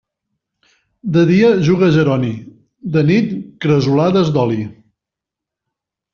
De dia juga Jeroni; de nit, cresolades d'oli.